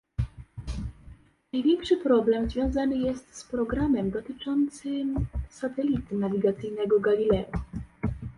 Największy problem związany jest z programem dotyczącym satelity nawigacyjnego Galileo